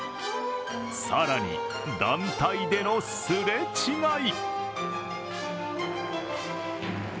更に、団体でのすれ違い。